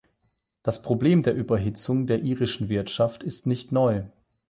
Das Problem der Überhitzung der irischen Wirtschaft ist nicht neu.